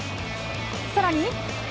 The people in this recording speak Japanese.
さらに。